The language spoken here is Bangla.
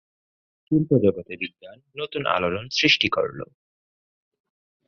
শিল্পজগতে বিজ্ঞান নতুন আলোড়ন সৃষ্টি করলো।